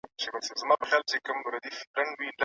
د هغه اروا دې ښاده او یاد یې تلپاتې وي.